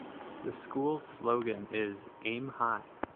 The school's slogan is "Aim High".